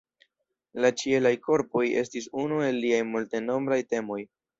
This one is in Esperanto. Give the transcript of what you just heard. La ĉielaj korpoj estis unu el liaj multenombraj temoj.